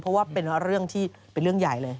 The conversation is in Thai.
เพราะว่าเป็นเรื่องที่เป็นเรื่องใหญ่เลย